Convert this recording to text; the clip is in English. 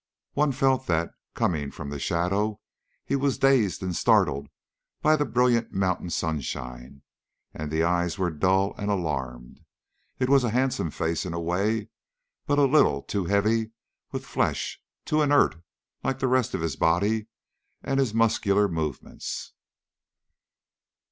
One felt that, coming from the shadow, he was dazed and startled by the brilliant mountain sunshine; and the eyes were dull and alarmed. It was a handsome face in a way, but a little too heavy with flesh, too inert, like the rest of his body and his muscular movements.